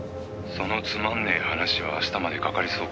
「そのつまんねえ話は明日までかかりそうか？」